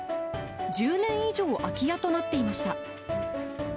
１０年以上空き家となっていました。